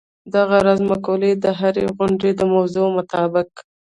دغه راز مقولې د هرې غونډې د موضوع مطابق.